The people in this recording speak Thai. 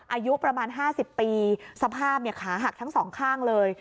อายุประมาณ๕๐ปีสภาพขาหักทั้งสองข้างเลย